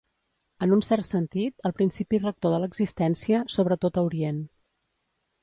En un cert sentit, el principi rector de l'existència, sobretot a Orient.